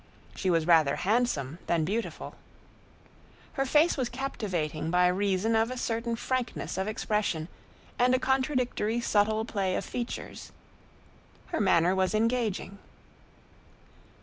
She was rather handsome than beautiful. Her face was captivating by reason of a certain frankness of expression and a contradictory subtle play of features. Her manner was engaging.